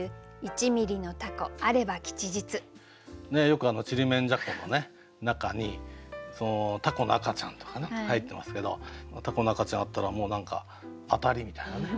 よくちりめんじゃことかの中に蛸の赤ちゃんとか入ってますけど蛸の赤ちゃんあったらもう何か当たりみたいなね。